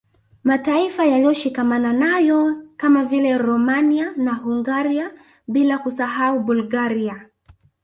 Mataifa yaliyoshikamana nayo kama vile Romania na Hungaria bila kusahau Bulgaria